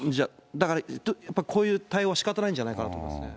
だから、やっぱこういう対応はしかたないんじゃないかなと思いますね。